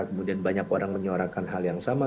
kemudian banyak orang menyuarakan hal yang sama